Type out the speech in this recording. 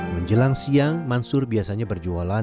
menjelang siang mansur biasanya berjualan